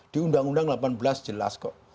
di undang undang delapan belas jelas kok